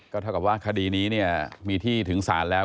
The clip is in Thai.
ก็ถ้าเกิดว่าคดีนี้มีที่ถึงศาลแล้ว